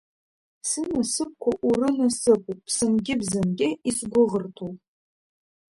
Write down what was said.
Сынасыԥқәа урынасыԥуп, ԥсынгьы-бзангьы исгәыӷырҭоу.